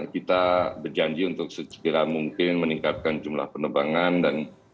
kita berjanji untuk sekira mungkin meningkatkan jumlah penerbangan dan